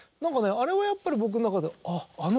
あれはやっぱり僕の中で「あの」。